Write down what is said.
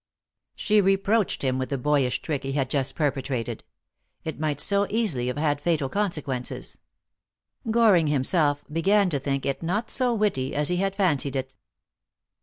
She reproached him with the boyish trick he had just perpetrated. It might so easily have had fatal consequences. Goring, himself began to think it not so witty as he had fancied it.